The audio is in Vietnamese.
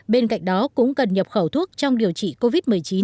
bên cạnh đó cũng cần nhập khẩu thuốc trong điều trị covid một mươi chín